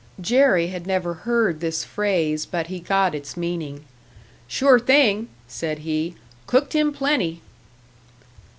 Jerry had never heard this phrase, but he got its meaning. "Sure thing!" said he. "Cooked him plenty!"